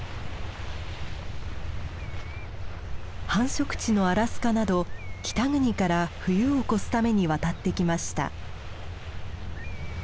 繁殖地のアラスカなど北国から冬を越すために渡ってきました。